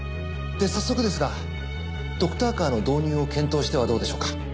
で早速ですがドクターカーの導入を検討してはどうでしょうか。